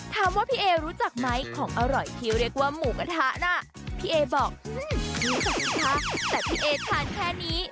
ถามว่าพี่เอรู้จักไหมของอร่อยที่เรียกว่าหมูกระทะน่ะพี่เอบอกรู้สึกกระทะแต่พี่เอทานแค่นี้